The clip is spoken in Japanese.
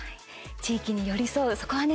地域に寄り添う、そこはね